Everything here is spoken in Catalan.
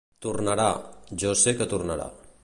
Tornarà, jo sé que tornarà.